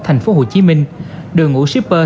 tp hcm đội ngũ shipper